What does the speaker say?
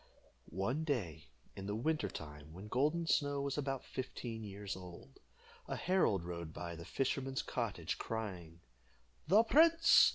One day, in the winter time, when Golden Snow was about fifteen years old, a herald rode by the fisherman's cottage, crying "The prince!